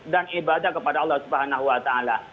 dan ibadah kepada allah subhanahu wa ta'ala